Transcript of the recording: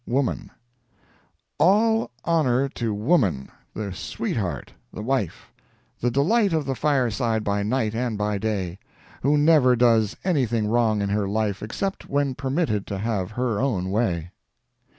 Woman: "All honor to woman, the sweetheart, the wife; The delight of the fireside by night and by day. Who never does anything wrong in her life, Except when permitted to have her own way."